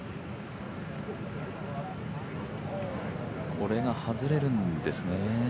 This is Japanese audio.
これが外れるんですね。